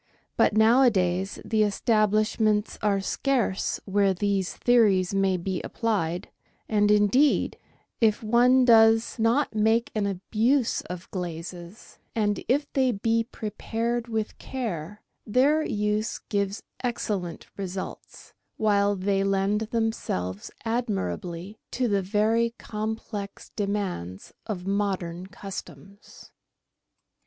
But nowadays the establishments are scarce where these theories may be applied, and, indeed, if one does 14 GUIDE TO MODERN COOKERY not make an abuse of glazes, and if they be prepared with care, their use gives excellent results, while they lend themselves admirably to the very complex demands of modern customs.